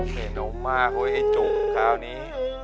ไม่น้องมากเฮ้ยไอ้โจ๋งของข้าวนี้